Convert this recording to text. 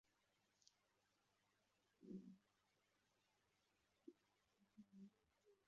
Umugabo wicaye ku ntebe yicyatsi afite inkingi yo kuroba mumazi